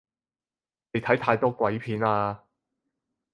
你睇太多鬼片喇